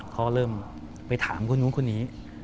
เขาเริ่มไปถามคนนู้นคนนี้